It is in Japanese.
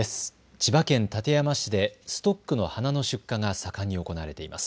千葉県館山市でストックの花の出荷が盛んに行われています。